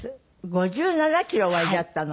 ５７キロおありだったの？